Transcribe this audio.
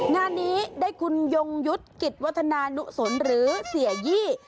งานนี้ได้คุณยงยุทธ์กิจวัฒนานุสนหรือเสียยี่